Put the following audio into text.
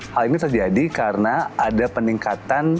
hal ini terjadi karena ada peningkatan